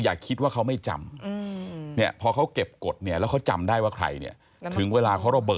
อย่าคิดว่าเขาไม่จำ